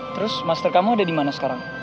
terus master kamu ada dimana sekarang